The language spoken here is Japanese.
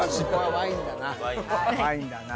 ワインだな。